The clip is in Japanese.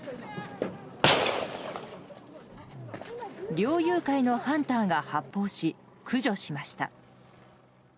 猟友会のハンターが発砲し駆除しました。